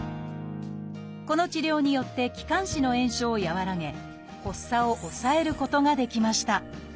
この治療によって気管支の炎症を和らげ発作を抑えることができました。